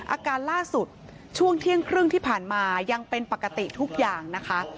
อาการล่าสุดช่วงเที่ยงครึ่งที่ผ่านมายังเป็นปกติทุกอย่างนะคะ